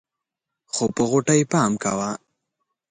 خو په غوټۍ پام کوه.